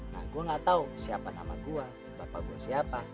nah gue gak tau siapa nama gue bapak gue siapa